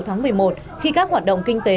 tháng một mươi một khi các hoạt động kinh tế